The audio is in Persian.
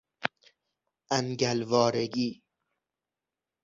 انگل وارگی